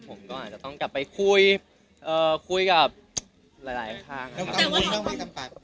ผมก็อาจจะต้องกลับไปคุยคุยกับหลายข้างครับ